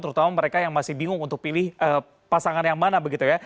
terutama mereka yang masih bingung untuk pilih pasangan yang mana begitu ya